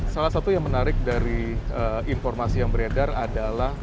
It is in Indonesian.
salah satu yang menarik dari informasi yang beredar adalah